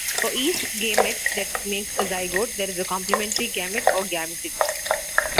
For each gamete that makes a zygote, there is a complementary gamete, or gametid.